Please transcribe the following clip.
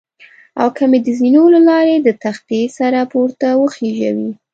او که مې د زینو له لارې د تختې سره پورته وخېژوي.